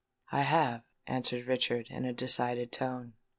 "I have," answered Richard, in a decided tone.